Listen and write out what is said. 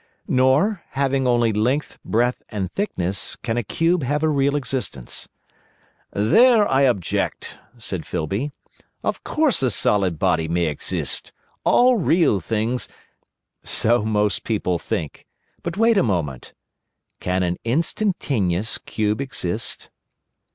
"Nor, having only length, breadth, and thickness, can a cube have a real existence." "There I object," said Filby. "Of course a solid body may exist. All real things—" "So most people think. But wait a moment. Can an instantaneous cube exist?"